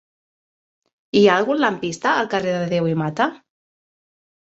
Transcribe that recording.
Hi ha algun lampista al carrer de Deu i Mata?